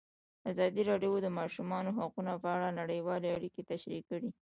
ازادي راډیو د د ماشومانو حقونه په اړه نړیوالې اړیکې تشریح کړي.